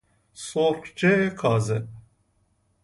سرخجۀ کاذب